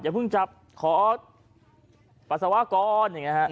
อย่าเพิ่งจับขอปัสสาวะก่อน